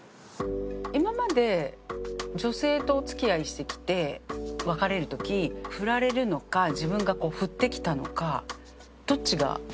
今まで女性とお付き合いしてきて別れる時フラれるのか自分がフッてきたのかどっちが？